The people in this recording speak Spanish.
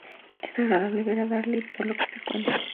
Es agradable ver a Daryl por su cuenta.